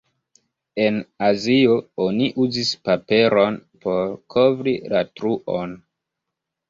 En Azio oni uzis paperon por kovri la truon.